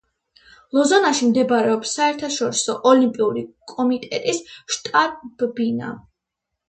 ლოზანაში მდებარეობს საერთაშორისო ოლიმპიური კომიტეტის შტაბ-ბინა.